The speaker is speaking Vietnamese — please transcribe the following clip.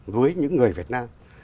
với những người việt nam